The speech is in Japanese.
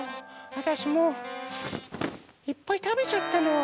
あたしもういっぱいたべちゃったの。